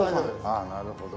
ああなるほど。